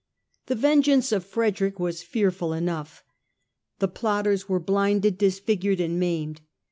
The vengeance of Frederick was fearful enough. The 250 STUPOR MUNDI plotters were blinded, disfigured and maimed.